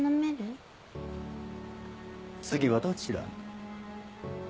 次はどちらへ？